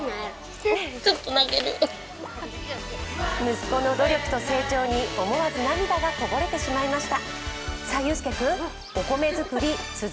息子の努力と成長に思わず涙がこぼれてしまいました。